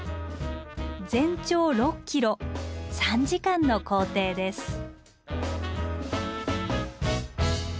全長６ｋｍ３時間の行程です。